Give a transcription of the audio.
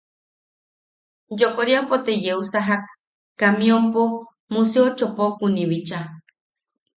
Yokoriapo te yeusajak camionpo Museo Chopokuni bicha.